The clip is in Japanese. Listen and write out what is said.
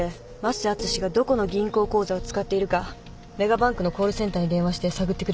瀬淳史がどこの銀行口座を使っているかメガバンクのコールセンターに電話して探ってくれる？